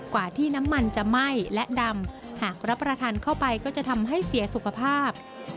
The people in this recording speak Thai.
กว่าที่น้ำมันจะไหม้และดำหากรับประทานเข้าไปก็จะทำให้เสียสุขภาพ